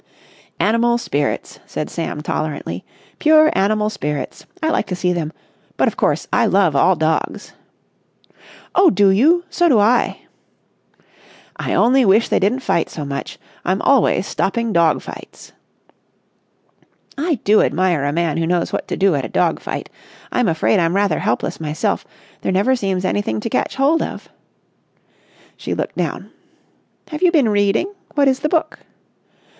"Animal spirits!" said Sam tolerantly. "Pure animal spirits. I like to see them. But, of course, I love all dogs." "Oh, do you? So do I!" "I only wish they didn't fight so much. I'm always stopping dog fights." "I do admire a man who knows what to do at a dog fight. I'm afraid I'm rather helpless myself. There never seems anything to catch hold of." She looked down. "Have you been reading? What is the book?"